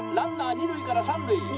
「二塁から三塁」。